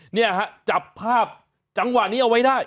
เนี่ยฮะจับภาพจังหวะนี้เอาไว้ได้